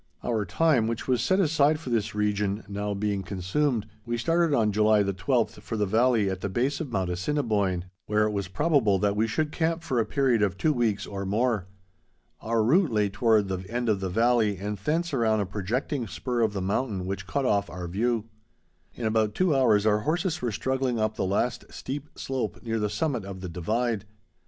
Our time, which was set aside for this region, now being consumed, we started on July the twelfth for the valley at the base of Mount Assiniboine, where it was probable that we should camp for a period of two weeks or more. Our route lay toward the end of the valley and thence around a projecting spur of the mountain which cut off our view. In about two hours our horses were struggling up the last steep slope near the summit of the divide.